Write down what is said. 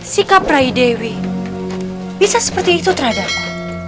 sikap rai dewi bisa seperti itu terhadapnya